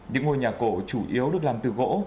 những ngôi nhà cổ chủ yếu được làm từ gỗ